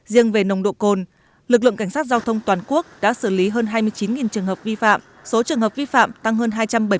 riêng về nồng độ cồn lực lượng cảnh sát giao thông toàn quốc đã xử lý hơn hai mươi chín trường hợp vi phạm số trường hợp vi phạm tăng hơn hai trăm bảy mươi